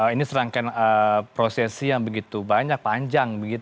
ini serangkaian prosesi yang begitu banyak panjang